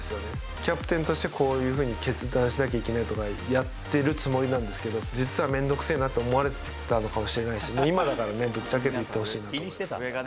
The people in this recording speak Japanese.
キャプテンとして、こういうふうに決断しなきゃいけないとか、やってるつもりなんですけど、実はめんどくせえなと思われてたかもしれないですし、今だからね、ぶっちゃけて言ってほしいなと思いますね。